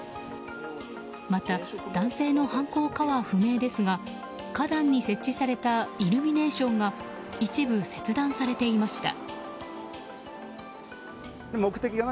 また、男性の犯行かは不明ですが花壇に設置されたイルミネーションが一部、切断されていました。